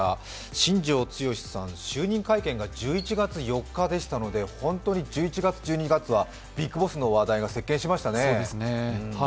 新庄剛志さん、就任会見が１１月４日でしたので本当に１１月、１２月はビッグボスの話題が席巻しましたね。